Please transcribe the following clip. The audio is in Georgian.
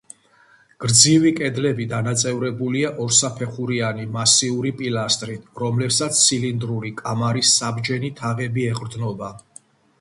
გრძივი კედლები დანაწევრებულია ორსაფეხურიანი მასიური პილასტრით, რომლებსაც ცილინდრული კამარის საბჯენი თაღები ეყრდნობა.